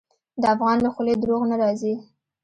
د افغان له خولې دروغ نه راځي.